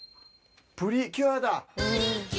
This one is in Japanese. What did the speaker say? プリキュアだ！